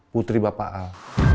putri bapak al